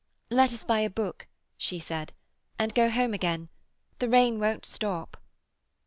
"Let us buy a book," she said, "and go home again. The rain won't stop."